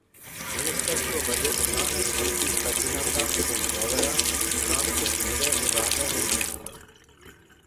Ministerstvo vedl od náhlé smrti Ferdinanda von Bauera do nástupu nového řádného ministra.